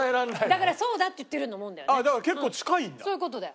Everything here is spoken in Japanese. だからそうだって言ってるようなもんだよね。